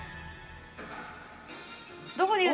どこにいる？